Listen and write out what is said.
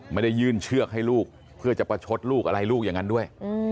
ไม่ได้ยื่นเชือกให้ลูกเพื่อจะประชดลูกอะไรลูกอย่างนั้นด้วย